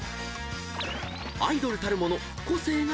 ［アイドルたるもの個性が大事］